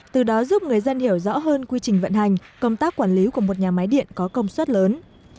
từ đó giúp người dân hiểu rõ hơn quy trình vận hành công tác quản lý của một nhà máy điện có công suất lớn